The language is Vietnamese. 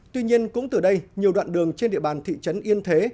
tuy nhiên cũng từ đây nhiều đoạn đường trên địa bàn thị trấn yên thế